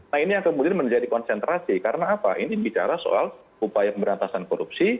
nah ini yang kemudian menjadi konsentrasi karena apa ini bicara soal upaya pemberantasan korupsi